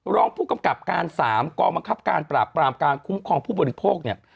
รองผู้กำกับการ๓กองบังคับการปราบปรามการคุ้มครองผู้บริโภคเนี่ย